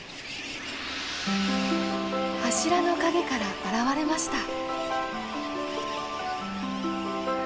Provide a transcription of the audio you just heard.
柱の陰から現れました。